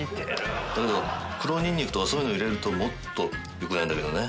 だけど黒ニンニクとか入れるともっとよくなるんだけどね。